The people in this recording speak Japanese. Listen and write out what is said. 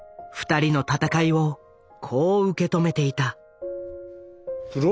２人の戦いをこう受け止めていた。